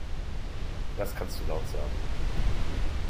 Das kannst du laut sagen.